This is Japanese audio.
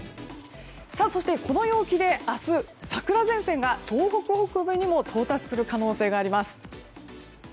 そして、この陽気で明日、桜前線が東北北部にも到達する可能性があります。